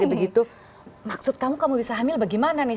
begitu maksud kamu kamu bisa hamil bagaimana nih